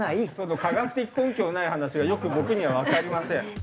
科学的根拠のない話はよく僕にはわかりません。